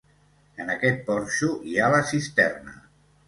En aquest porxo hi ha la cisterna.